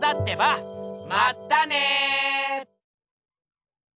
まったね！